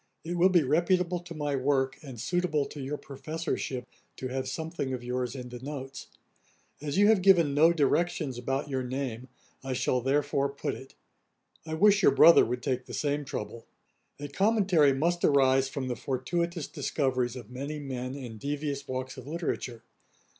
It will be reputable to my work, and suitable to your professorship, to have something of yours in the notes. As you have given no directions about your name, I shall therefore put it. I wish your brother would take the same trouble. A commentary must arise from the fortuitous discoveries of many men in devious walks of literature.